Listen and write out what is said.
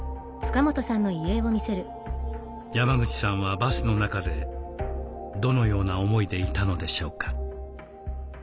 山口さんはバスの中でどのような思いでいたのでしょうか。